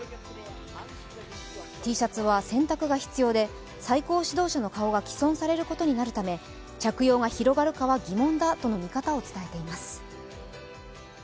Ｔシャツは洗濯が必要で、最高指導者の顔が毀損されるおそれがあるため着用が広がるかは疑問だとの見方を伝えています。